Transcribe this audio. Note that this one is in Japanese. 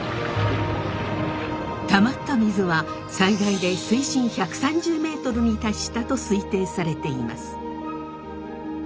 たまった水は最大で水深１３０ｍに達したと推定されています。